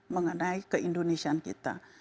mengenai keindonesian kita